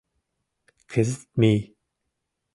Кызыт мий